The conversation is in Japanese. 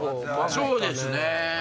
そうですね。